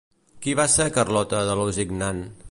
Qui va ser Carlota de Lusignan?